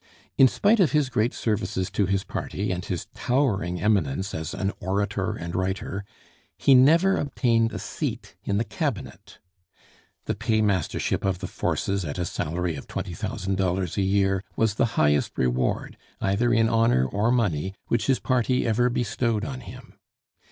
In spite of his great services to his party and his towering eminence as an orator and writer, he never obtained a seat in the Cabinet. The Paymastership of the Forces, at a salary of $20,000 a year, was the highest reward, either in honor or money, which his party ever bestowed on him.